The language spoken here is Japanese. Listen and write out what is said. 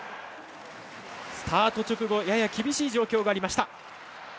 スタート直後、やや厳しい状況がありました。